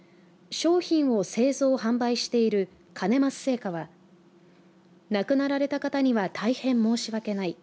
商品を製造、販売しているカネ増製菓は亡くなられた方には大変申し訳ない。